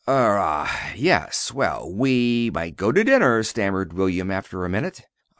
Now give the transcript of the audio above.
"Er ah yes; well, we might go to dinner," stammered William, after a minute.